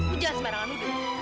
ujian semarah anu